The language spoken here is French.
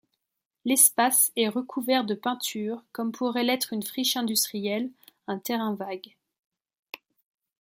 L'espace et recouvert de peinture comme pourrait l'être une friche industrielle, un terrain vague.